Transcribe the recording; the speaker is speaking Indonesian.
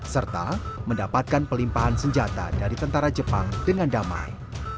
serta mendapatkan pelimpahan senjata dari tentara jepang dengan damai